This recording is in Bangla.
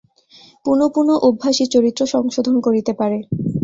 পুনঃপুন অভ্যাসই চরিত্র সংশোধন করিতে পারে।